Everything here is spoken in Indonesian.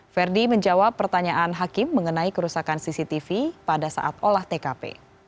ferdi menjawab pertanyaan hakim mengenai kerusakan cctv pada saat olah tkp